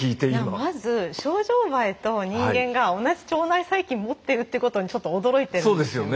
まずショウジョウバエと人間が同じ腸内細菌持ってるってことにちょっと驚いてるんですよね。